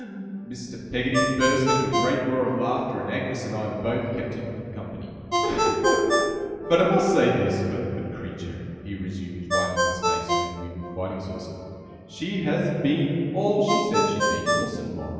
Mr. Peggotty burst into a great roar of laughter, and Agnes and I both kept him company. 'But I must say this, for the good creetur,' he resumed, wiping his face, when we were quite exhausted; 'she has been all she said she'd be to us, and more.